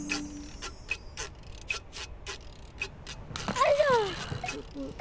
おいしょ！